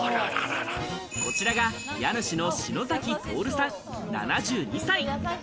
こちらが家主の篠崎透さん７２歳。